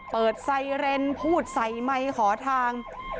เปิดไซเรนพูดใส่ไมค์ขอทาง